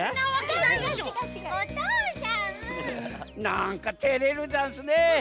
なんかてれるざんすね。